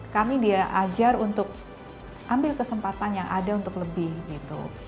kami dia ajar untuk ambil kesempatan yang ada untuk lebih gitu